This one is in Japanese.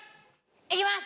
いきます！